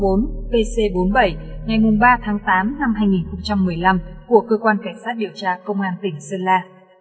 quyết định chuyên án đặc biệt số năm pc bốn mươi bảy ngày ba tháng năm năm hai nghìn một mươi bốn của cơ quan cảnh sát điều tra công an tỉnh sơn la